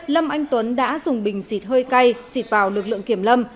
lâm anh tuấn đã dùng bình xịt hơi cay xịt vào lực lượng kiểm lâm